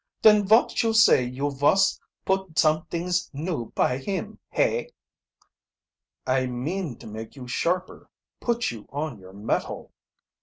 "Den vot you say you vos put somedings new py him, hey?" "I mean to make you sharper put you on your mettle."